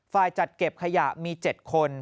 ฝ่ายจัดเก็บขยะมี๗คน